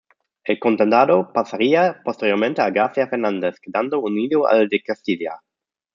El condado pasaría posteriormente a García Fernández, quedando unido al de Castilla.